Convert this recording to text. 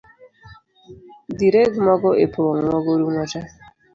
Dhi reg Mogo epong, Mogo orumo tee